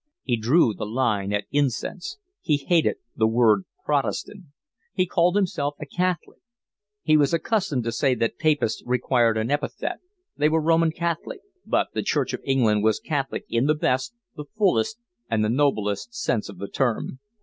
He drew the line at incense. He hated the word protestant. He called himself a Catholic. He was accustomed to say that Papists required an epithet, they were Roman Catholic; but the Church of England was Catholic in the best, the fullest, and the noblest sense of the term.